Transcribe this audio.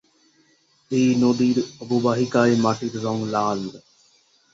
এই নদীর অববাহিকায় মাটির রং লাল।